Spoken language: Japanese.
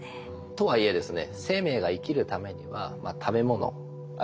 とはいえですね